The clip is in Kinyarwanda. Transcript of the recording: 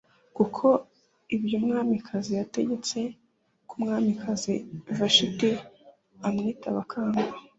kuko ibyo umwamikazi yategetse ko Umwamikazi Vashiti amwitaba akanga